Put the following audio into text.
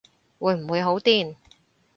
會唔會好癲